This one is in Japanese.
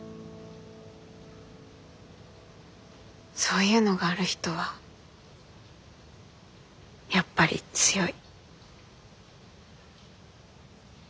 そういうのがある人はやっぱり強い。